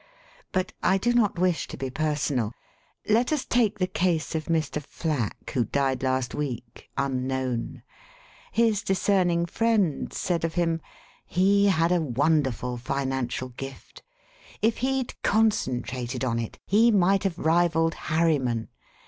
"But I do not wish to be personal. Let us take the case of Mr. Flack, who died last week, un known. His discerning friends said of him: *He had a wonderful financial gift. If he'd concen trated on it, he might have rivalled Harriman.